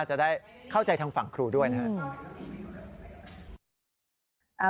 จะได้เข้าใจทางฝั่งครูด้วยนะครับ